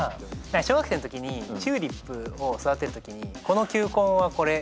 小学生のときにチューリップを育てるときにこの球根はこれ。